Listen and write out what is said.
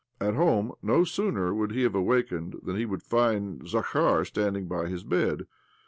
At home, no sooner would he have awakened than he would find Zakhar standing by his bed.